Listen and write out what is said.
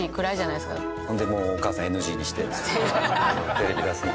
それでもうお母さんＮＧにしてテレビ出すの。